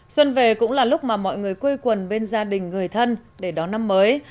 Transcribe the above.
xuân về cũng là lúc mà mọi người quây quần bên gia đình người thân để đón năm mới